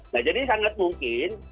nah jadi sangat mungkin